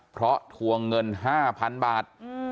เพราะทวงเงิน๕๐๐๐บาท